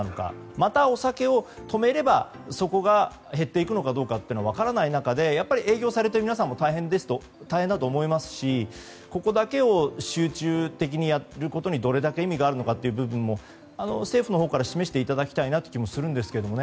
また、お酒を止めればそこが減っていくのか分からない中で営業されている皆さんも大変だと思いますしここだけを集中的にやることにどれだけ意味があるのかという部分も政府のほうで示していただきたい気もするんですけどね。